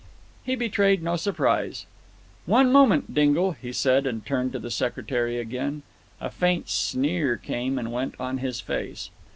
He betrayed no surprise. "One moment, Dingle," he said, and turned to the secretary again. A faint sneer came and went on his face.